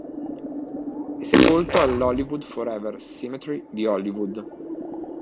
È sepolto al Hollywood Forever Cemetery di Hollywood.